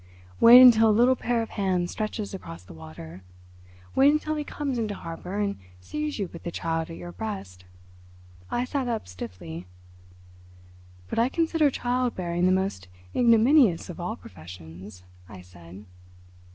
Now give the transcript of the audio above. Wait until a little pair of hands stretches across the water—wait until he comes into harbour and sees you with the child at your breast." I sat up stiffly. "But I consider child bearing the most ignominious of all professions," I said.